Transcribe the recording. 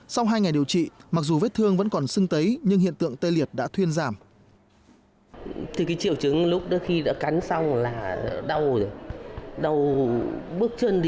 sau hai ngày điều trị mặc dù vết thương vẫn còn sưng tấy nhưng hiện tượng tê liệt đã thuyên giảm